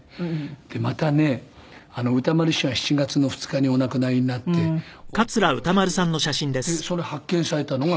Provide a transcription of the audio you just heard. でまたね歌丸師匠が７月の２日にお亡くなりになってお送りをしてでそれ発見されたのが。